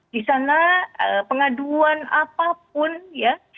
di sana pengaduan apapun ya